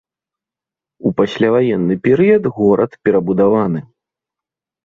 У пасляваенны перыяд горад перабудаваны.